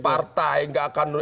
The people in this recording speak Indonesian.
gak akan nurunin partai